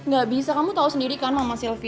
gak bisa kamu tau sendiri kan mama aku udah pulang kan